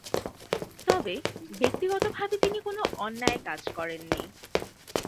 তবে ব্যক্তিগতভাবে তিনি কোনও অন্যায় কাজ করেননি।